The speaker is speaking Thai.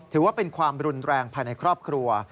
ถือว่าเป็นความรุนแรงภายในครอบครัว